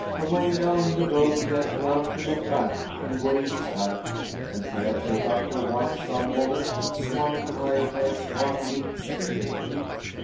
Away down the road he had turned to look back and wave his hat, and she had caught up her white sunbonnet and swung it high by its one limp string.